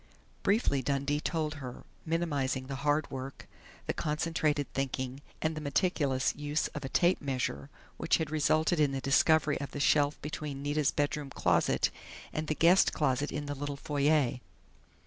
Briefly Dundee told her, minimizing the hard work, the concentrated thinking, and the meticulous use of a tape measure which had resulted in the discovery of the shelf between Nita's bedroom closet and the guest closet in the little foyer.